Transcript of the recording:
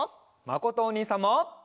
まことおにいさんも。